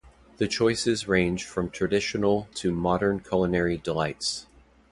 The choices range from traditional to modern culinary delights.